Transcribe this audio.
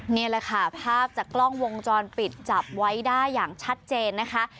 นี่แหละค่ะภาพจากกล้องวงจรปิดจับไว้ได้อย่างชัดเจนนะคะ